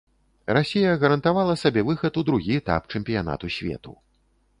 Расія гарантавала сабе выхад у другі этап чэмпіянату свету.